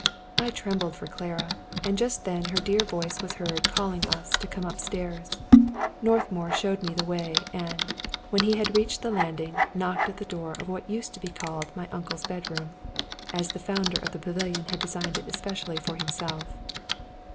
I trembled for Clara; and just then her dear voice was heard calling us to come upstairs. Northmour showed me the way, and, when he had reached the landing, knocked at the door of what used to be called My Uncle's Bedroom, as the founder of the pavilion had designed it especially for himself.